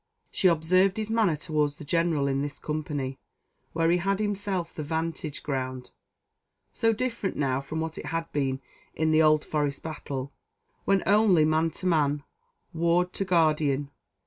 She observed his manner towards the general in this company, where he had himself the 'vantage ground so different now from what it had been in the Old Forest battle, when only man to man, ward to guardian.